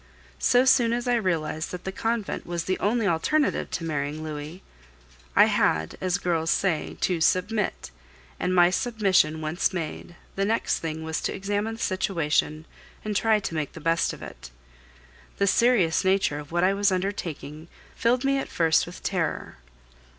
So soon as I realized that the convent was the only alternative to marrying Louis, I had, as girls say, to "submit," and my submission once made, the next thing was to examine the situation and try to make the best of it. The serious nature of what I was undertaking filled me at first with terror.